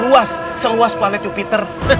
luas seluas palet jupiter